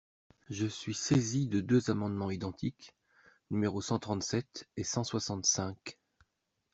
Je suis saisie de deux amendements identiques, numéros cent trente-sept et cent soixante-cinq.